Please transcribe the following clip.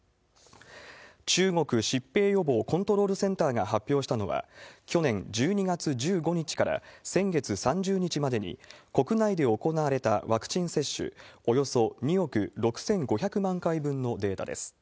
中国疾病予防コントロールセンターが発表したのは、去年１２月１５日から先月３０日までに、国内で行われたワクチン接種およそ２億６５００万回分のデータです。